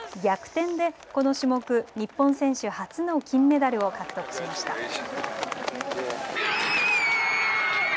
逆転でこの種目、日本選手初の金メダルを獲得しました。